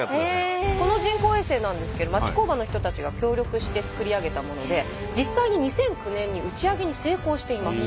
この人工衛星なんですけど町工場の人たちが協力して作り上げたもので実際に２００９年に打ち上げに成功しています。